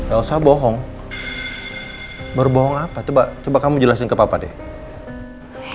elsa bohong baru bohong apa coba kamu jelasin ke papa deh